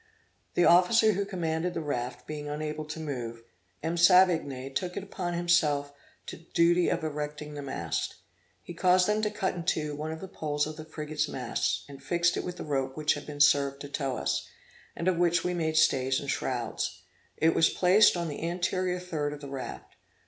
The officer who commanded the raft being unable to move, M. Savigny took upon himself the duty of erecting the mast. He caused them to cut in two one of the poles of the frigate's masts, and fixed it with the rope which had served to tow us, and of which we made stays and shrouds. It was placed on the anterior third of the raft.